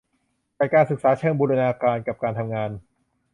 จัดการศึกษาเชิงบูรณาการกับการทำงาน